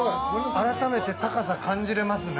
改めて高さ感じれますね。